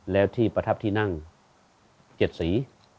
แล้วที่ประทับที่นั่ง๗สี